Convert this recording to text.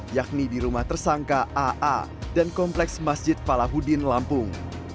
yakni di rumah tersangka aa dan kompleks masjid palahuddin lampung